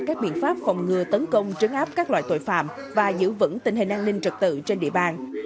các biện pháp phòng ngừa tấn công trấn áp các loại tội phạm và giữ vững tình hình an ninh trật tự trên địa bàn